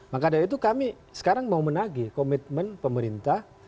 maka dari itu kami sekarang mau menagih komitmen pemerintah